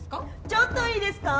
ちょっといいですか？